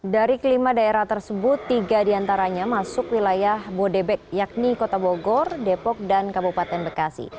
dari kelima daerah tersebut tiga diantaranya masuk wilayah bodebek yakni kota bogor depok dan kabupaten bekasi